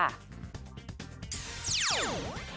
อุ้ย